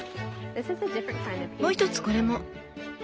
もう一つこれも。